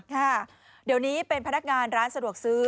ค่ะเดี๋ยวนี้เป็นพนักงานร้านสะดวกซื้อ